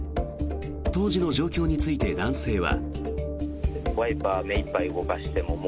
当時の状況について男性は。